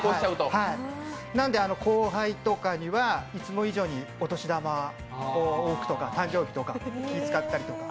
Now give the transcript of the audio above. なので後輩とかにはいつも以上にお年玉を多くとか誕生日とか気を使ったりとか。